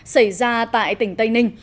xảy ra tại tỉnh tây ninh